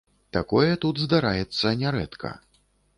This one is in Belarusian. Такое тут здараецца нярэдка.